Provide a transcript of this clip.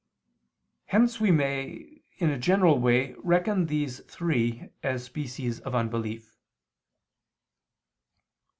Hence we may, in a general way, reckon these three as species of unbelief.